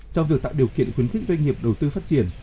trong việc tạo điều kiện khuyến khích doanh nghiệp đầu tư phát triển